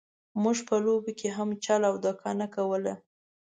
موږ په لوبو کې هم چل او دوکه نه کوله.